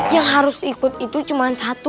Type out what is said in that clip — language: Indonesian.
yang harus ikut itu cuma satu